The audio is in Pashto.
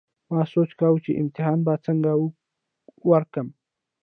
ما سوچ کوو چې امتحان به څنګه ورکوم